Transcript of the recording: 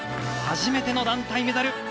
初めての団体メダル！